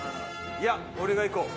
いや俺がいこう。